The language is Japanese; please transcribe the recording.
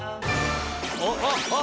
あっあっ。